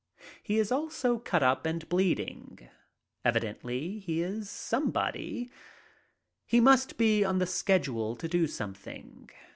He is also cut up and bleeding. Evidently he is somebody. He must be on the schedule to do something.